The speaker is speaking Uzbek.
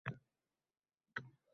U senga gap qaytaryapti.